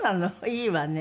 いいわね。